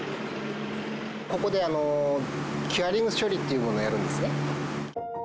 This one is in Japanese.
ここでキュアリング処理っていうものをやるんですね。